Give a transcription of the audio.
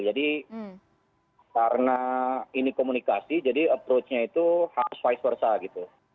jadi karena ini komunikasi jadi approach nya itu harus vice versa gitu